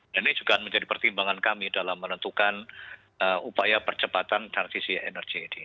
dan ini juga menjadi pertimbangan kami dalam menentukan upaya percepatan transisi energi ini